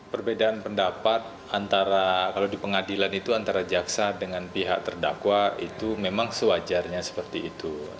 perbedaan pendapat antara kalau di pengadilan itu antara jaksa dengan pihak terdakwa itu memang sewajarnya seperti itu